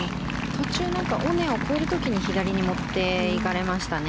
途中、尾根を越える時に左に持っていかれましたね。